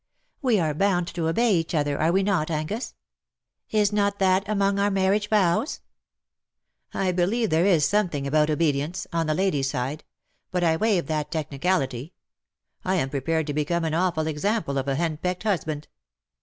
We are bound to obey each other, are we not, Angus ? Is not that among our marriage vows?^'' ^' I believe there is something about obedience — on the lady's side — but I waive that technicality. I am prepared to become an awful example of a henpecked husband.